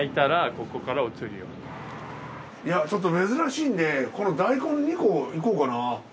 ちょっと珍しいんで大根２個いこうかな。